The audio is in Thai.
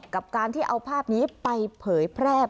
กับการที่เอาภาพนี้ไปเผยแพร่